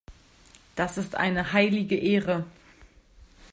Das ist eine heilige Ehre.